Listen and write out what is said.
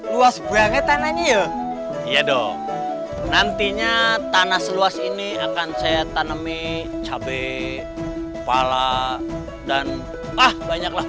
luas bangetan aja yodon nantinya tanah seluas ini akan setan ami cabe pala dan ah banyaklah